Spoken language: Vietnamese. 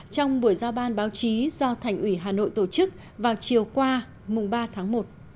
trong buổi giao ban báo chí do thành ủy hà nội tổ chức vào chiều qua mùng ba tháng một